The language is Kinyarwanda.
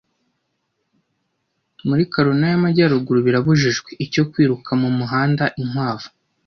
Muri Carolina y'Amajyaruguru birabujijwe icyo kwiruka mu muhanda Inkwavu